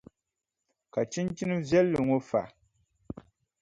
Ka chinchini viɛlli ŋɔ fa?